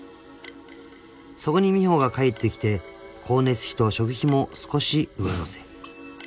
［そこに美帆が帰ってきて光熱費と食費も少し上乗せ］